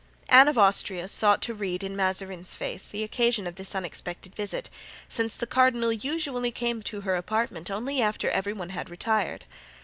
Anne of Austria sought to read in Mazarin's face the occasion of this unexpected visit, since the cardinal usually came to her apartment only after every one had retired.